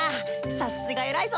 さすがえらいぞ！